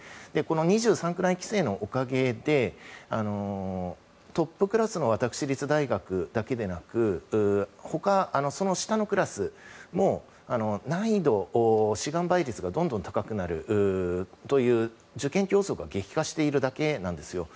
２３区内規制のおかげでトップクラスの私立大学だけでなくその下のクラスも難易度、志願倍率がどんどん高くなるという受験競争が激化しているだけなんですよ。